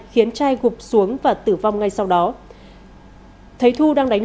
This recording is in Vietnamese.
khiến trai gục xuống và tựa